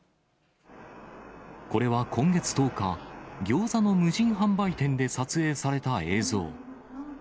これは今月１０日、ギョーザの無人販売店で撮影された映像。